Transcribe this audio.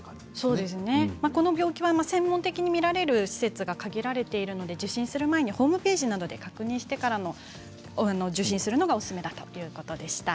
この病気は専門的に診られる施設が限られているので受診する前にホームページなどで確認してから受診するのがおすすめだということでした。